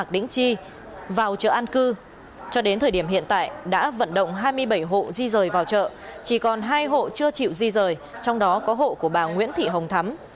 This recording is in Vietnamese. đã đến thời điểm hiện tại đã vận động hai mươi bảy hộ di rời vào chợ chỉ còn hai hộ chưa chịu di rời trong đó có hộ của bà nguyễn thị hồng thắm